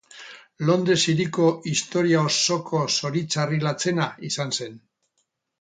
Londres hiriko historia osoko zoritxarrik latzena izan zen.